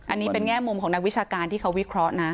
อันนี้เป็นแง่มุมของนักวิชาการที่เขาวิเคราะห์นะ